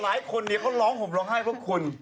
หลายคนเนี่ยเขาร้องห่มร้องไห้เพราะคุณ